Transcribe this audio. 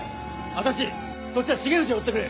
足達そっちは重藤を追ってくれ。